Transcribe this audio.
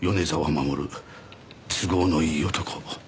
守都合のいい男。